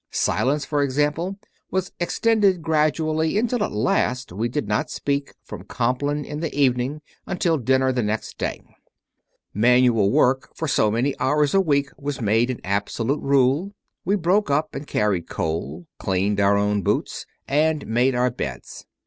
Silence, for example, was extended gradually, until at last we did not speak from Compline in the evening until dinner the next day; manual work for so many hours a week was made an absolute rule; we broke up and carried coal, cleaned our own boots, and made our beds.